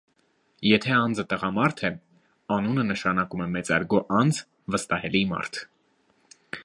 Եթե անձը տղամարդ է, անունը նշանակում է «մեծարգո անձ, վստահելի մարդ»։